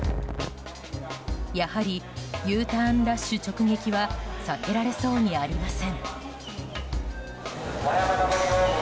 やはり、Ｕターンラッシュ直撃は避けられそうにありません。